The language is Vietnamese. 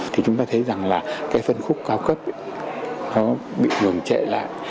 thì chúng ta thấy rằng là cái sân khúc cao cấp nó bị ngừng chạy lại